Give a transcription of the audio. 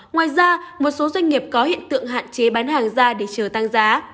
ngoài ra một số doanh nghiệp có hiện tượng hạn chế bán hàng ra để chờ tăng giá